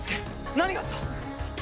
何があった！？